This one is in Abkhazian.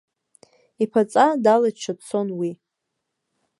Иԥаҵа далаччо дцон уи.